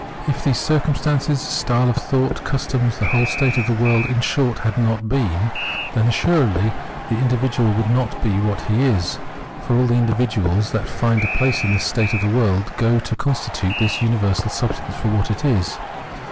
If these circumstances, style of thought, customs, the whole state of the world, in short, had not been, then assuredly the individual would not be what he is ; for all the individuals that find a place in this state of the world go to constitute this universal substance what it is.